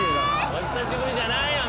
お久しぶりじゃないよ。